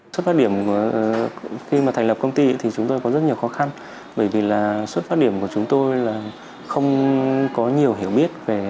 số phát điểm của khi mà thành lập công ty thì chúng tôi có rất nhiều khó khăn bởi vì là số phát điểm của chúng tôi là không có nhiều hiểu biết về mạng này